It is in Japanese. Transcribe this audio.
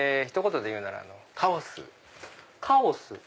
ひと言で言うならカオス。